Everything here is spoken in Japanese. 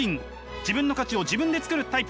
自分の価値を自分で作るタイプ。